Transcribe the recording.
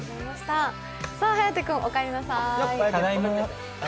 颯君、お帰りなさい。